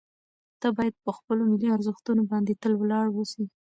ته باید په خپلو ملي ارزښتونو باندې تل ولاړ واوسې.